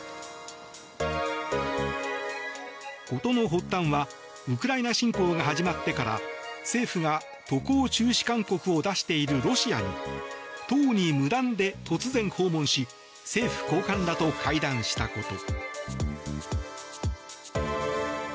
事の発端はウクライナ侵攻が始まってから政府が渡航中止勧告を出しているロシアに党に無断で突然、訪問し政府高官らと会談したこと。